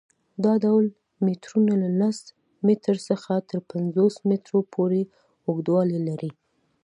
دا ډول میټرونه له لس میټرو څخه تر پنځوس میټرو پورې اوږدوالی لري.